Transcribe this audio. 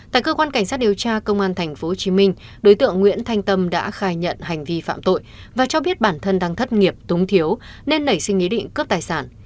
tại cơ quan cảnh sát điều tra công an tp hcm đối tượng nguyễn thanh tâm đã khai nhận hành vi phạm tội và cho biết bản thân đang thất nghiệp túng thiếu nên nảy sinh ý định cướp tài sản